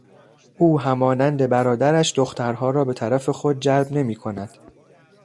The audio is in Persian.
او همانند برادرش دخترها را به طرف خود جلب نمیکند.